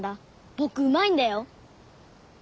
僕うまいんだよ。